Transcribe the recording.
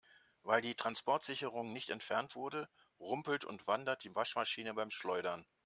Weil die Transportsicherung nicht entfernt wurde, rumpelt und wandert die Waschmaschine beim Schleudern.